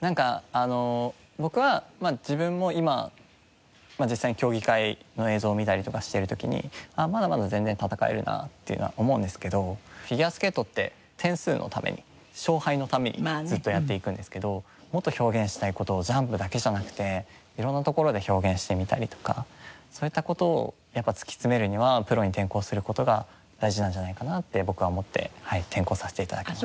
なんか僕は自分も今実際に競技会の映像を見たりとかしてる時にまだまだ全然戦えるなっていうのは思うんですけどフィギュアスケートって点数のために勝敗のためにずっとやっていくんですけどもっと表現したい事をジャンプだけじゃなくて色んなところで表現してみたりとかそういった事をやっぱ突き詰めるにはプロに転向する事が大事なんじゃないかなって僕は思ってはい転向させて頂きました。